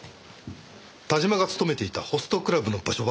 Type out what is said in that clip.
田島が勤めていたホストクラブの場所